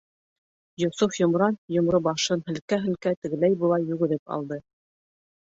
Йософ йомран йомро башын һелкә-һелкә тегеләй-былай йүгереп алды.